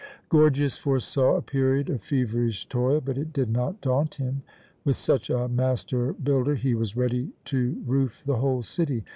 Gorgias foresaw a period of feverish toil, but it did not daunt him. With such a master builder he was ready to roof the whole city.